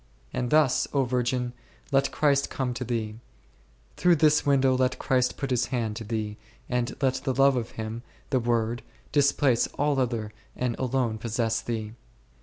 And thus, O virgin, let Christ come to thee ; through this window let Christ put His hand to thee, and let the love of Him, the Word, displace all other and alone possess thee.